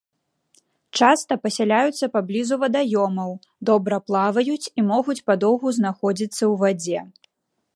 Часта пасяляюцца паблізу вадаёмаў, добра плаваюць і могуць падоўгу знаходзіцца ў вадзе.